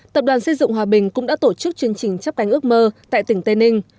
tập đoàn xây dựng hòa bình cũng đã tổ chức chương trình chấp cánh ước mơ tại tỉnh tây ninh